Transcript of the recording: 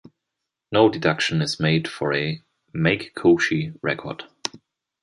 No deduction is made for a "make-koshi" record.